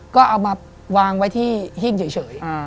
ก็เอามาวางไว้ที่หิ้งเฉย